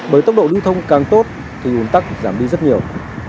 bởi tốc độ lưu thông càng tốt thì ồn tắc giảm đi rất nhiều